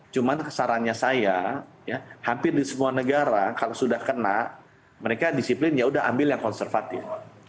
cuman sarannya saya hampir di semua negara kalau sudah kena mereka disiplin ya udah ambil yang konservatif